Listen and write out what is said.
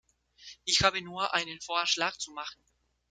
Ich habe nur einen Vorschlag zu machen.